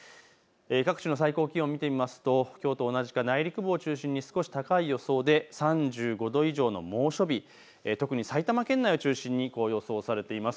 各地の最高気温、見てみますときょうと同じか内陸部を中心に少し高い予想で３５度以上の猛暑日、特に埼玉県内を中心に予想されています。